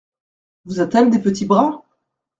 Vous a-t-elle des petits bras !…